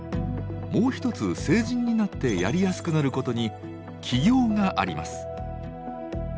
もう一つ成人になってやりやすくなることに起業があります。